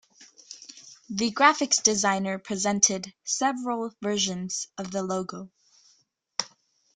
The graphics designer presented several versions of the logo.